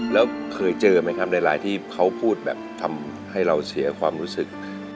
แล้วเคยเจอไหมครับหลายที่เขาพูดแบบทำให้เราเสียความรู้สึก